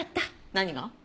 何が？